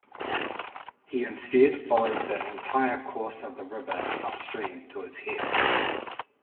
He instead followed the entire course of the river upstream to its head.